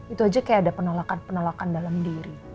itu aja kayak ada penolakan penolakan dalam diri